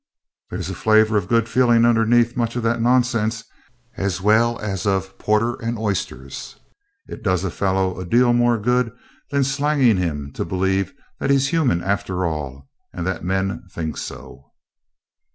There's a flavour of good feeling underneath much of that nonsense, as well as of porter and oysters. It does a fellow a deal more good than slanging him to believe that he's human after all, and that men think so.'